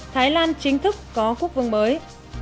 thái lan chính thức có quốc vương mới